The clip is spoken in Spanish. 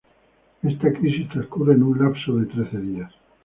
Esta crisis transcurre en un lapso de "trece días".